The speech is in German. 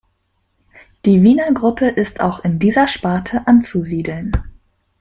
Die Wiener Gruppe ist auch in dieser Sparte anzusiedeln.